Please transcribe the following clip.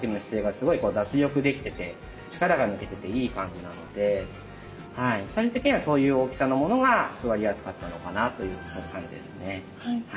力が抜けてていい感じなので最終的にはそういう大きさのものが座りやすかったのかなという感じですね。